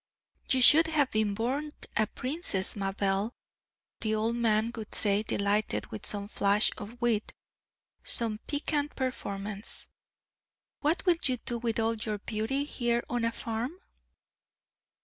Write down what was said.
"You should have been born a princess, ma belle!" the old man would say, delighted with some flash of wit, some piquant performance. "What will you do with all your beauty here on a farm?"